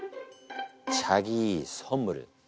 チャギソンムル！